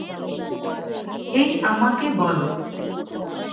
হেই আমাকে বলো।